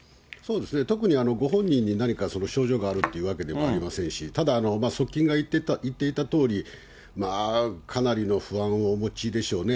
特にご本人に何か症状があるというわけではありませんし、ただ側近が言っていたとおり、かなりの不安をお持ちでしょうね。